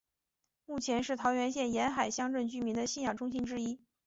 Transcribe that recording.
目前是桃园县沿海乡镇居民的信仰中心之一。